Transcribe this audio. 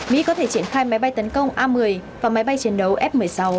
mỹ có thể triển khai máy bay tấn công a một mươi và máy bay chiến đấu f một mươi sáu